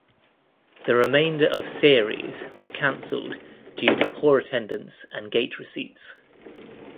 The remainder of series was cancelled due to poor attendance and gate receipts.